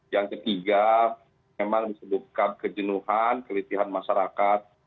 yang ketiga memang disebutkan kejenuhan kelitian masyarakat